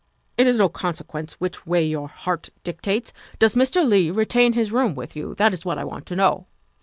It is of no consequence which way your heart dictates. Does Mr. Leigh retain his room with you ? That is what I want to know.